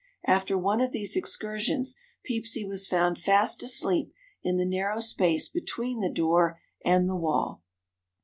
After one of these excursions Peepsy was found fast asleep in the narrow space between the door and the wall!